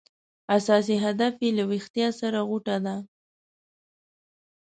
اساس هدف یې له ویښتیا سره غوټه ده.